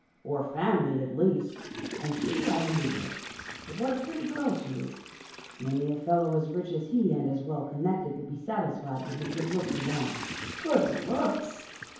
"Or family, at least; and she hasn't either. But what a pretty girl she is! Many a fellow as rich as he and as well connected would be satisfied with her good looks alone." "Good looks!"